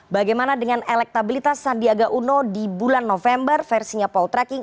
bagaimana dengan elektabilitas sandiaga uno di bulan november versinya poltreking